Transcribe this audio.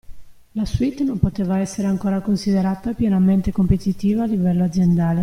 La suite non poteva essere ancora considerata pienamente competitiva a livello aziendale.